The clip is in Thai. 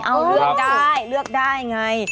เออเลือกได้ไง